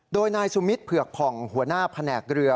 โดยนายสุมิตรเผือกผ่องหัวหน้าแผนกเรือ